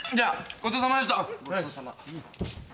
ごちそうさま。